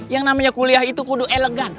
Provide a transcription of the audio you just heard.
yang namanya kuliah itu kudu elegan